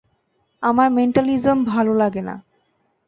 আমার মেন্টালিজম ভালো লাগে না।